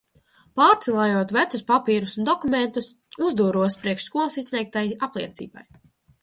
Pārcilājot vecus papīrus un dokumentus, uzdūros priekš skolas izsniegtai apliecībai.